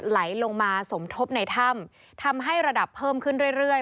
ไหลลงมาสมทบในถ้ำทำให้ระดับเพิ่มขึ้นเรื่อย